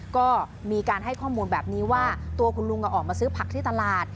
ก็มีการให้ข้อมูลแบบนี้ว่าตัวคุณลุงออกมาซื้อผักที่ตลาด